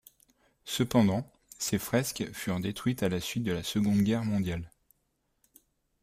Cependant, ces fresques furent détruites à la suite de la Seconde Guerre mondiale.